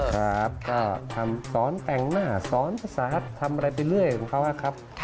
ครับก็ทำสอนแต่งหน้าสอนภาษาทำอะไรไปเรื่อยของเขาครับ